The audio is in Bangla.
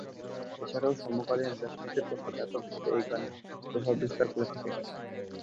এছাড়া সমকালীন রাজনীতির কথা ব্যাপক ভাবে এই গানে প্রভাব বিস্তার করে থাকে।